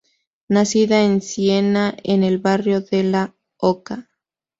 Nacida en Siena, en el barrio de la Oca.